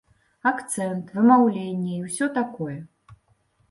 Акцэнт, вымаўленне і ўсё такое.